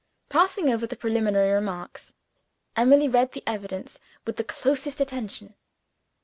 Passing over the preliminary remarks, Emily read the evidence with the closest attention.